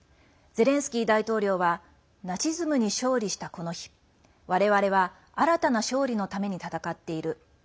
ゼレンスキー大統領はナチズムに勝利した、この日われわれは新たな勝利のために戦っている。